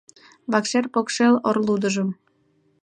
Вакшер покшел орлудыжым